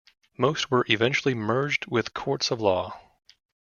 Most were eventually "merged with courts of law".